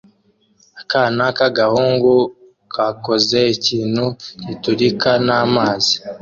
Akana k'agahungu kakoze ikintu giturika n'amazi